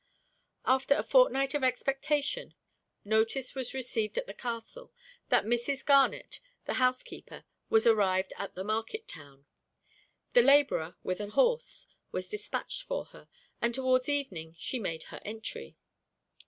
After a fortnight of expectation, notice was received at the castle, that Mrs. Garnet, the housekeeper, was arrived at the market town. The labourer, with an horse, was dispatched for her, and towards evening she made her entry.